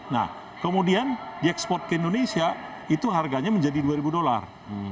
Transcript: nah kemudian diekspor ke indonesia itu harganya menjadi dua ribu dolar